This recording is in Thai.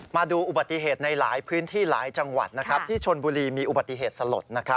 มาดูอุบัติเหตุในหลายพื้นที่หลายจังหวัดที่ชนบุรีมีอุบัติเหตุสลด